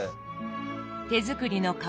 手作りの皮。